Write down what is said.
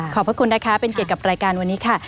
พระคุณนะคะเป็นเกียรติกับรายการวันนี้ค่ะ